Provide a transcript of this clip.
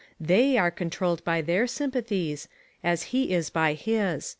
They are controlled by their sympathies, as he is by his.